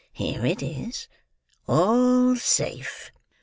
"Here it is! All safe!"